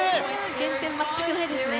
減点、全くないですね。